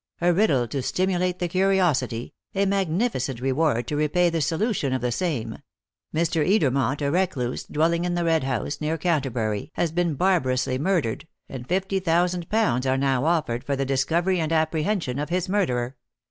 "A riddle to stimulate the curiosity; a magnificent reward to repay the solution of the same. Mr. Edermont, a recluse, dwelling in the Red House, near Canterbury, has been barbarously murdered, and fifty thousand pounds are now offered for the discovery and apprehension of his murderer.